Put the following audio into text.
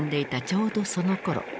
ちょうどそのころ